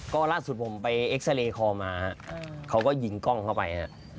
ก็ล่าสุดผมไปเอ็กซาเรย์คอมาเขาก็ยิงกล้องเข้าไปฮะ